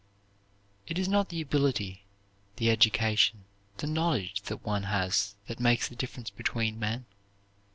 It is not the ability, the education, the knowledge that one has that makes the difference between men.